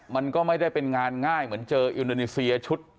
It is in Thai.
มันก็ไม่ได้เป็นงานง่ายเหมือนเจออินโดนีเซียชุด